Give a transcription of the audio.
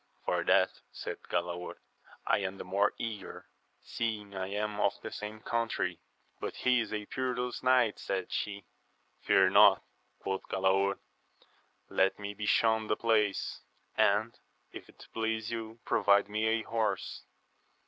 For that, said Galaor, am I the more eager, seeing I am of the same country. But he is a perilous knight, said she. Fear not, quoth Galaor, let me be shewn the place ; and, if it please you, provide me a horse.